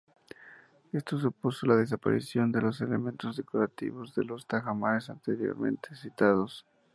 Esto supuso la desaparición de los elementos decorativos de los tajamares anteriormente citados.